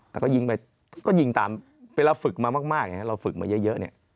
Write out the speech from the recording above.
แต่ก็ยิงตามเวลาฝึกมามากเราฝึกมาเยอะ